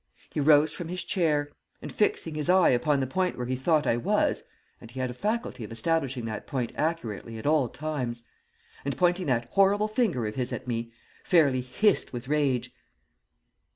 He rose from his chair, and fixing his eye upon the point where he thought I was and he had a faculty of establishing that point accurately at all times and pointing that horrible finger of his at me, fairly hissed with rage.